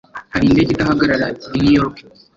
Hari indege idahagarara i New York?